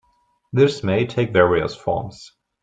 This may take various forms.